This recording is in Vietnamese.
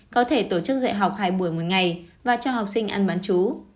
có thể tổ chức dạy học hai buổi một ngày và cho học sinh ăn bán chú